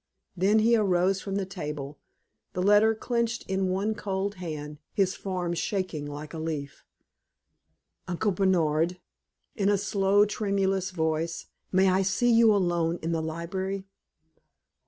Then he arose from the table, the letter clinched in one cold hand, his form shaking like a leaf. "Uncle Bernard," in a low, tremulous voice "may I see you alone in the library?"